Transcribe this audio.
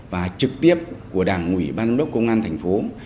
và trực tiếp của đảng ủy ban giám đốc công an thành phố